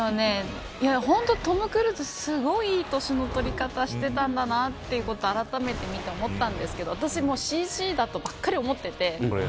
本当トム・クルーズすごい年の取り方してたんだなということをあらためて見て思ったんですけど私もＣＧだとばっかり思ってて。